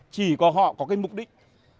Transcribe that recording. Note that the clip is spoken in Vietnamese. chỉ có họ có cái mục đích